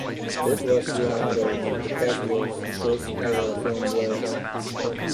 This was Leonardo DiCaprio's first ever film role.